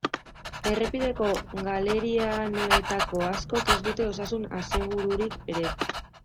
Errepideko galerianoetako askok ez dute osasun asegururik ere.